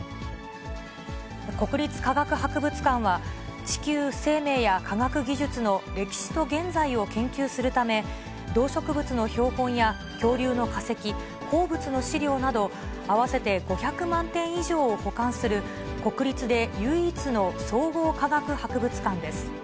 国立科学博物館は、地球、生命や科学技術の歴史と現在を研究するため、動植物の標本や恐竜の化石、鉱物の資料など、合わせて５００万点以上を保管する国立で唯一の総合科学博物館です。